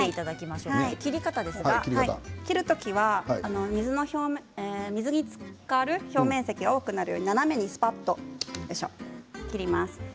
切る時は水につかる表面積が多くなるように斜めにすぱっと切ります。